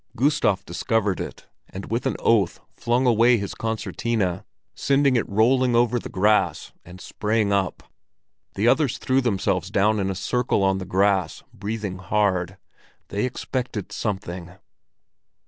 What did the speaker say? Gustav discovered it, and with an oath flung away his concertina, sending it rolling over the grass, and sprang up. The others threw themselves down in a circle on the grass, breathing hard. They expected something.